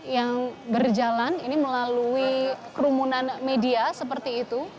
yang berjalan ini melalui kerumunan media seperti itu